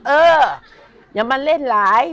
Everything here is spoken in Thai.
เอออย่ามาเล่นหลาย